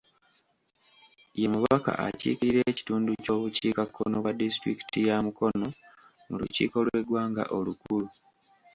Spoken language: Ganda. Ye mubaka akiikirira ekitundu ky'obukiikakkono bwa disitulikiti ya Mukono mu lukiiko lw'eggwanga olukulu